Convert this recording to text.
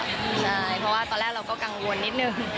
ใช่เพราะว่าตอนแรกเราก็กังวลนิดนึง